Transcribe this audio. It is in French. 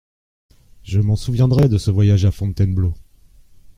Je m’en souviendrai, de ce voyage à Fontainebleau !…